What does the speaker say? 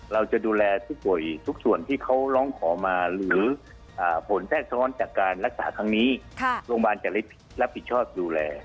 เราจะดูแลผู้ป่วยทุกส่วนที่เขาร้องขอมาหรือผลแทรกซ้อนจากการรักษาครั้งนี้โรงพยาบาลจะได้รับผิดชอบดูแล